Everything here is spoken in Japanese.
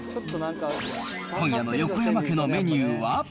今夜の横山家のメニューは？